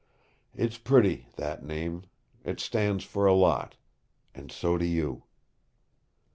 It's pretty, that name. It stands for a lot. And so do you."